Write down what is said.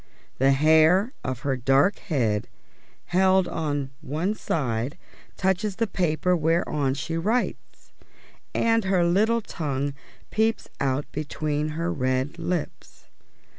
The hair of her dark head, held on one side, touches the paper whereon she writes, and her little tongue peeps out between her red lips.